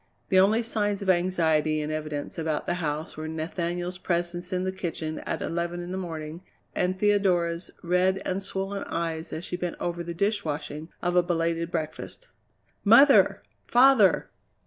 The only signs of anxiety in evidence about the house were Nathaniel's presence in the kitchen at eleven in the morning, and Theodora's red and swollen eyes as she bent over the dishwashing of a belated breakfast. "Mother! Father!"